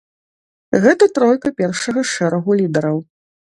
Гэта тройка першага шэрагу лідараў.